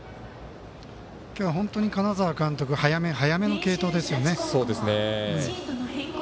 今日は本当に金沢監督早め早めの継投ですよね。